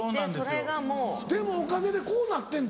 でもおかげでこうなってんで？